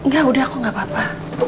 gak udah aku gak apa apa